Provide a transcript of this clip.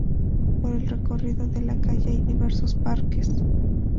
Por el recorrido de la calle hay diversos parques.